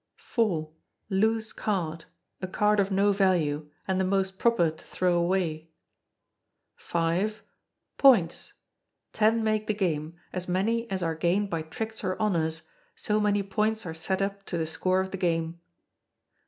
iv. Loose Card, a card of no value, and the most proper to throw away. v. Points, Ten make the game; as many as are gained by tricks or honours, so many points are set up to the score of the game.